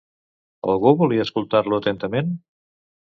Algú volia escoltar-lo atentament?